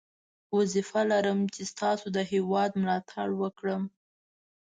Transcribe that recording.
وظیفه لرم چې ستاسو د هیواد ملاتړ وکړم.